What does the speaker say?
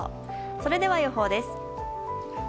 それでは予報です。